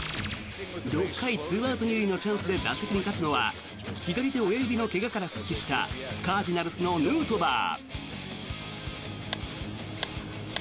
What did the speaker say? ６回２アウト２塁のチャンスで打席に立つのは左手親指の怪我から復帰したカージナルスのヌートバー。